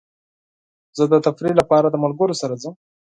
زه د تفریح لپاره د ملګرو سره ځم.